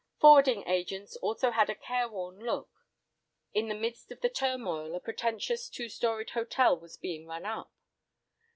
Forwarding agents also had a careworn look. In the midst of the turmoil, a pretentious two storied hotel was being run up.